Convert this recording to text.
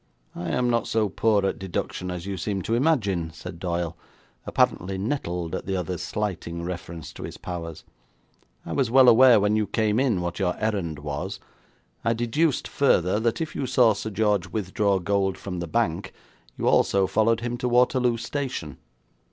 'I am not so poor at deduction as you seem to imagine,' said Doyle, apparently nettled at the other's slighting reference to his powers. 'I was well aware, when you came in, what your errand was. I deduced further that if you saw Sir George withdraw gold from the bank, you also followed him to Waterloo station.'